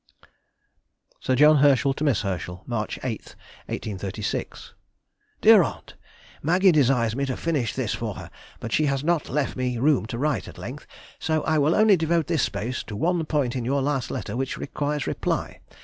_] SIR JOHN HERSCHEL TO MISS HERSCHEL. March 8, 1836. DEAR AUNT,— Maggie desires me to finish this for her, but she has not left me room to write at length. So I will only devote this space to one point in your last letter which requires reply.